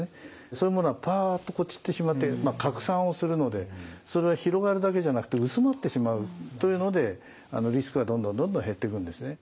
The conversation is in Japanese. そういうものはパッと散ってしまって拡散をするのでそれは広がるだけじゃなくて薄まってしまうというのでリスクがどんどんどんどん減ってくんですね。